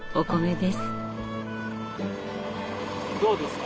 どうですか？